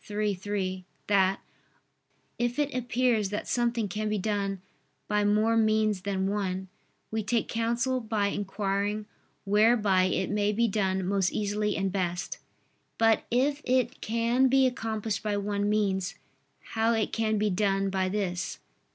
iii, 3) that "if it appears that something can be done by more means than one, we take counsel by inquiring whereby it may be done most easily and best; but if it can be accomplished by one means, how it can be done by this."